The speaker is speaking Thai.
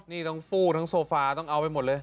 นี่ทั้งฟู้ทั้งโซฟาต้องเอาไปหมดเลย